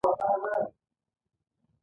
ګټوره انرژي د تودوخې په بڼه ازادیږي.